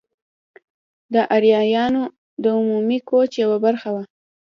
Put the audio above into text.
د آریایانو د عمومي کوچ یوه برخه وه.